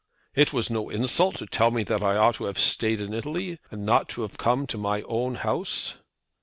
"It was no insult to tell me that I ought to have stayed in Italy, and not have come to my own house!"